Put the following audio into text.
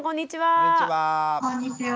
こんにちは。